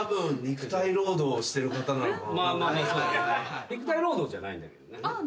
肉体労働じゃないんだけどね。